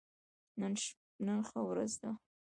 نن ښه ورځ وه